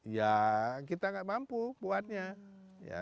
ya kita nggak mampu buatnya ya